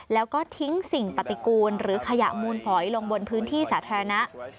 แล้วก็ทิ้งสิ่งปฏิกูลหรือขยะมูลฝอยลงบนพื้นที่สาธารณะ